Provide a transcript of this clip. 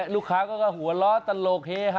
ลูกค้าก็หัวล้อตลกเฮฮา